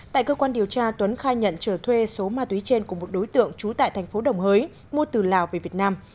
tại cơ quan điều tra tuấn khai nhận trở thuê số ma túy trên của một đối tượng trú tại thành phố đồng hới mua từ lào về việt nam